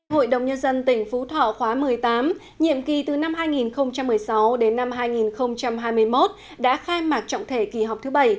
hội đồng nhân dân tỉnh phú thọ khóa một mươi tám nhiệm kỳ từ năm hai nghìn một mươi sáu đến năm hai nghìn hai mươi một đã khai mạc trọng thể kỳ họp thứ bảy